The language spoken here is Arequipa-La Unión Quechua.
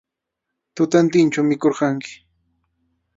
Tutantinchu mikhurqanku.